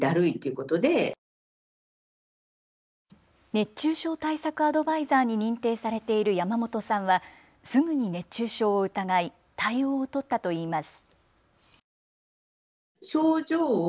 熱中症対策アドバイザーに認定されている山本さんはすぐに熱中症を疑い対応を取ったといいます。